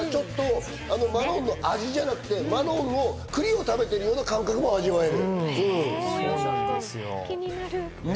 マロンの味じゃなくて、マロンの栗を食べているような感じを味わえる。